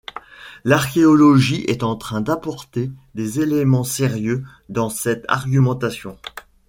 L'archéologie est en train d'apporter des éléments sérieux dans cette argumentation.